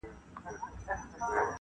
دومره لوړ اسمان ته څوک نه وه ختلي -